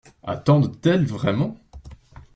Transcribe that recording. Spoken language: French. Attendent-elles vraiment?